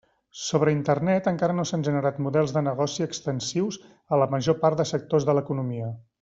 Sobre Internet encara no s'han generat models de negoci extensius a la major part de sectors de l'economia.